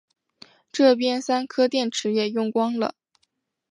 这边三颗电池也用光了